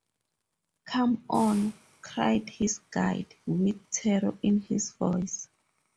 “Come on!” cried his guide, with terror in his voice.